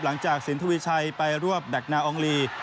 หลังจากศิลป์ธุวิชัยไปรวบดักนาอองรี